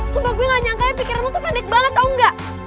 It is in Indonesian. sumpah gue gak nyangka pikiran lo tuh pendek banget tau gak